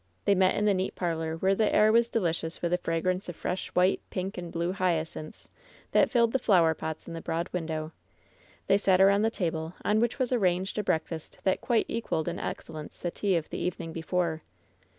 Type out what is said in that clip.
They met in the neat parlor, where the air was de licious with the fragrance of fresh white, pink and blue hyacinths that filled the flower pots in the broad window. They sat around the table, on which was arranged a breakfast that quite equaled in excellence the tea of the evening before.